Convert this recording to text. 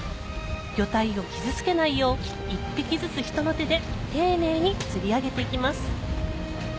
魚体を傷つけないよう一匹ずつ人の手で丁寧に釣り上げていきます